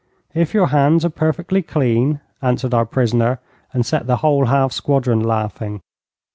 'If your hands are perfectly clean,' answered our prisoner, and set the whole half squadron laughing.